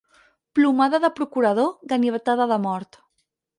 Plomada de procurador, ganivetada de mort.